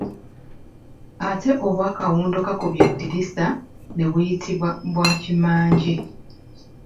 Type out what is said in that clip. Ate obwa kawundokakubyeddirisa ne buyitibwa bwa kimmanje.